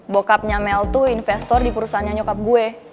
bokapnya mel tuh investor di perusahaan nyokap gue